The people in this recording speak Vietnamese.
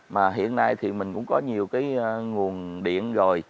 mà hiện nay thì mình cũng có nhiều cái nguồn điện rồi